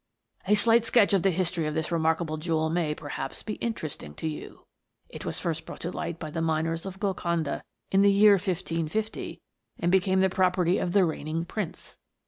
" A slight sketch of the history of this remark able jewel may, perhaps, be interesting to you. It 266 THE GNOMES. was first brought to light by the miners of Gol conda, in the year 1550, and became the property of the reigning prince.